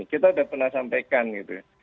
kita sudah pernah sampaikan gitu ya